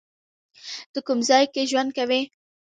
ته کوم ځای کې ژوند کوی؟